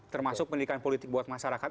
termasuk pendidikan politik buat masyarakat